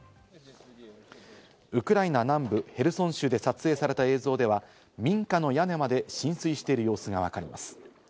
ウクライナ南部ヘルソン州で撮影された映像では、民家の屋根まで浸水している様子がわかります。